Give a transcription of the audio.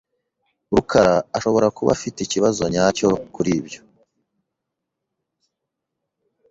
rukaraashobora kuba afite ikibazo nyacyo kuri ibyo.